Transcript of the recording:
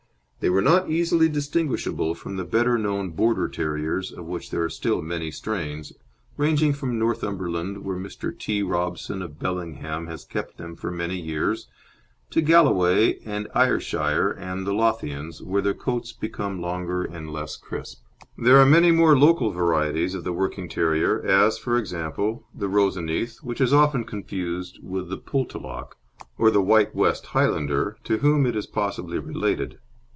They were not easily distinguishable from the better known Border Terriers of which there are still many strains, ranging from Northumberland, where Mr. T. Robson, of Bellingham, has kept them for many years, to Galloway and Ayrshire and the Lothians, where their coats become longer and less crisp. There are many more local varieties of the working terrier as, for example, the Roseneath, which is often confused with the Poltalloch, or White West Highlander, to whom it is possibly related.